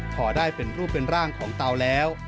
พอได้เป็นรูปเป็นร่างของเตาแล้ว